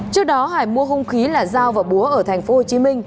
trước đó hải mua hông khí là dao và búa ở tp hcm